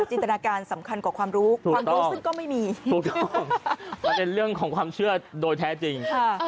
ตนาการสำคัญกว่าความรู้ความรู้ซึ่งก็ไม่มีถูกต้องมันเป็นเรื่องของความเชื่อโดยแท้จริง